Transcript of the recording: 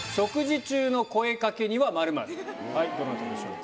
はいどなたでしょうか？